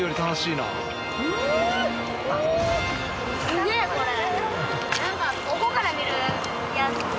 すげえこれ。